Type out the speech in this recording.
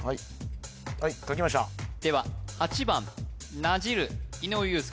はい書きましたでは８番なじる井上裕介